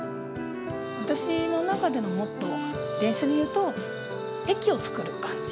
私の中でのモットーは、電車でいうと、駅を作る感じ。